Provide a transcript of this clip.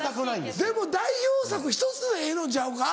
でも代表作１つでええのんちゃうか？